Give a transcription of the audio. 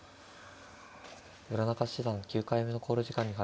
村中七段９回目の考慮時間に入りました。